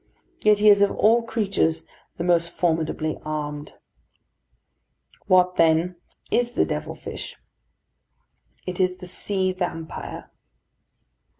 Yet he is of all creatures the most formidably armed. What, then, is the devil fish? It is the sea vampire.